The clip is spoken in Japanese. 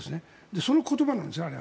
その言葉なんです。